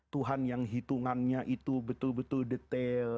tuhan yang hitungannya itu betul betul detail